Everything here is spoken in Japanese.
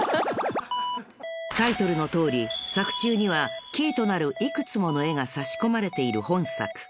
［タイトルのとおり作中にはキーとなる幾つもの絵が差し込まれている本作］